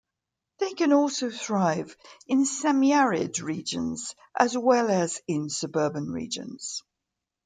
They can also thrive in semiarid regions as well as in suburban regions.